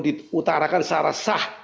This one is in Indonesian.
diutarakan secara sah